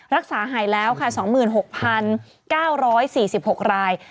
รักษาหายแล้วค่ะ๒๖๙๔๖ราย